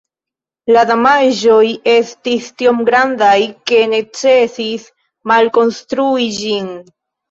La damaĝoj estis tiom grandaj ke necesis malkonstrui ĝin.